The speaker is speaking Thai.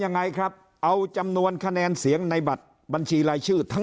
ยังไงครับเอาจำนวนคะแนนเสียงในบัตรบัญชีรายชื่อทั้ง